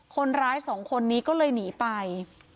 คนร้ายสองคนนี้ก็เลยหนีไป